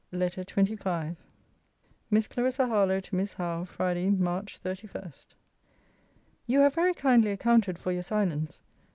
LETTER XXV MISS CLARISSA HARLOWE, TO MISS HOWE FRIDAY, MARCH 31. You have very kindly accounted for your silence.